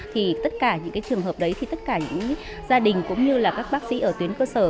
thì tất cả những trường hợp đấy thì tất cả những gia đình cũng như là các bác sĩ ở tuyến cơ sở